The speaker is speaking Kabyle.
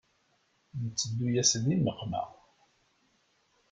Nteddu-yas di nneqma.